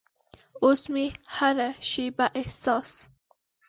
اوس مې هره شیبه احساس